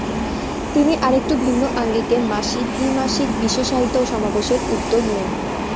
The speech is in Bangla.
তিনি আরেকটু ভিন্ন আঙ্গিকে মাসিক, দ্বি-মাসিক বিশেষায়িত সমাবেশের উদ্যোগ নেন।